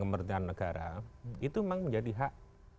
pemerintahan negara itu memang menjadi hak